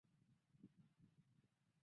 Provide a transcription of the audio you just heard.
星宿一是长蛇座最亮的一颗恒星。